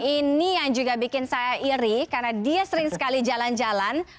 ini yang juga bikin saya iri karena dia sering sekali jalan jalan